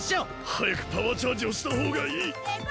はやくパワーチャージをしたほうがいい！